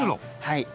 はい。